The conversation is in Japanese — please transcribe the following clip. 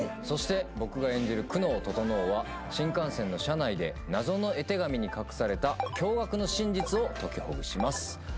そして僕が演じる久能整は新幹線の車内で謎の絵手紙に隠された驚愕の真実を解きほぐします。